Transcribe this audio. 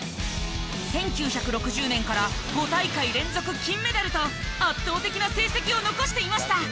１９６０年から５大会連続金メダルと圧倒的な成績を残していました。